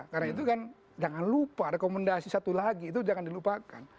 karena itu kan jangan lupa rekomendasi satu lagi itu jangan dilupakan